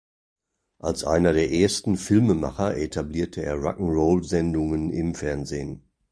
Als einer der ersten Filmemacher etablierte er Rock’n’Roll-Sendungen im Fernsehen.